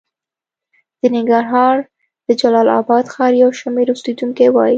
د ننګرهار د جلال اباد ښار یو شمېر اوسېدونکي وايي